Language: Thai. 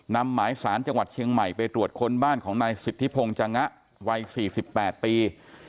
นำหมายสารจังหวัดเชียงใหม่ไปตรวจคนบ้านของนายสิทธิพงศ์จงะวัย๔๘ปี